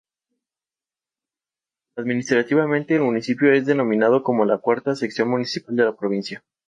Administrativamente, el municipio es denominado como la "cuarta sección municipal" de la provincia.